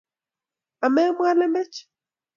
Amemwaa lembech